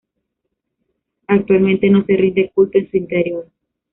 Actualmente no se rinde culto en su interior.